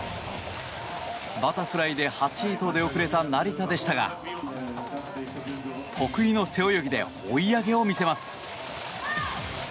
バタフライで８位と出遅れた成田でしたが得意の背泳ぎで追い上げを見せます。